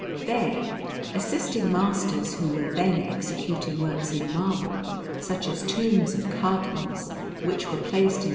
There, assisting masters who were then executing works in marble, such as tombs of Cardinals, which were placed in S.